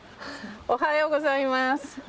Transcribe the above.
おはようございます。